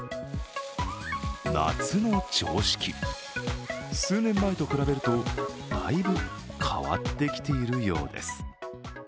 夏の常識、数年前と比べるとだいぶ変わってきているようです。